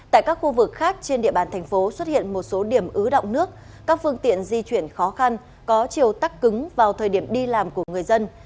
tại các khu vực khác trên địa bàn thành phố xuất hiện một số điểm ứ động nước các phương tiện di chuyển khó khăn có chiều tắc cứng vào thời điểm đi làm của người dân